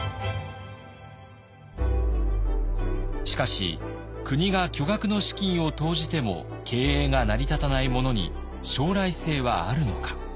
しかし国が巨額の資金を投じても経営が成り立たないものに将来性はあるのか。